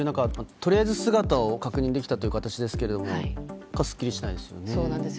とりあえず姿を確認できたということですがすっきりしないですよね。